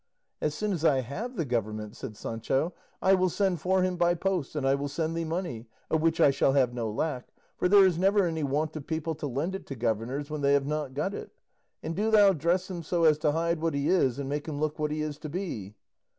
"As soon as I have the government," said Sancho, "I will send for him by post, and I will send thee money, of which I shall have no lack, for there is never any want of people to lend it to governors when they have not got it; and do thou dress him so as to hide what he is and make him look what he is to be."